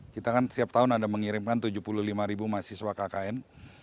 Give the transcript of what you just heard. kita kan setiap tahun ada mengirimkan tujuh puluh lima ribu mahasiswa kkn